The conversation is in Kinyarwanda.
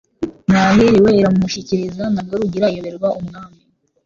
Ntahiriwe iramumushyikiriza ntabwo Rugira iyoberwa Umwami